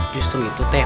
justru itu teh